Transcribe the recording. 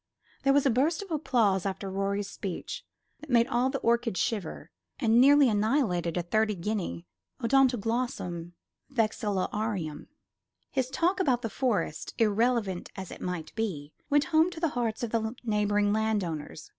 There was a burst of applause after Rorie's speech that made all the orchids shiver, and nearly annihilated a thirty guinea Odontoglossum Vexillarium. His talk about the Forest, irrelevant as it might be, went home to the hearts of the neighbouring landowners.